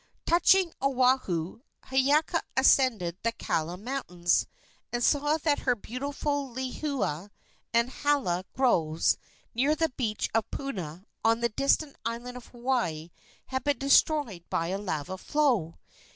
Touching at Oahu, Hiiaka ascended the Kaala mountains, and saw that her beautiful lehua and hala groves near the beach of Puna, on the distant island of Hawaii, had been destroyed by a lava flow.